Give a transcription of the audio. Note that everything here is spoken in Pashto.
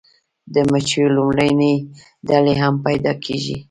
د مچیو لومړنۍ ډلې هم پیدا کیږي